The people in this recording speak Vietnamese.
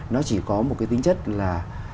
nó chỉ có một cái tính chất là